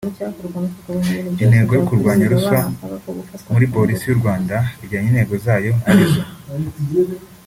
Intego yo kurwanya ruswa muri Polisi y’u Rwanda ijyanye n’intego zayo ari zo